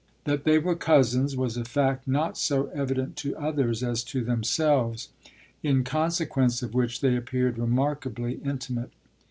That they were cousins was a fact not so evident to others as to themselves, in consequence of which they appeared remarkably intimate.